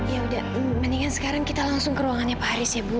ya udah mendingan sekarang kita langsung ke ruangannya pak haris ya bu